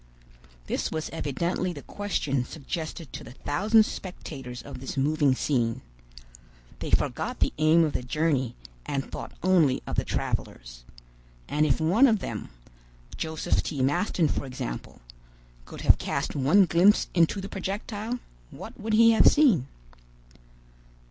This was evidently the question suggested to the thousand spectators of this moving scene. They forgot the aim of the journey, and thought only of the travelers. And if one of them—Joseph T. Maston for example—could have cast one glimpse into the projectile, what would he have seen?